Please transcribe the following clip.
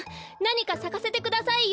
なにかさかせてくださいよ。